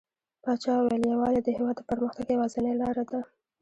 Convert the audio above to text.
پاچا وويل: يووالى د هيواد د پرمختګ يوازينۍ لاره ده .